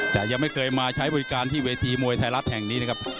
แต่ยังไม่เคยมาใช้บริการที่เวทีมวยไทยรัฐแห่งนี้นะครับ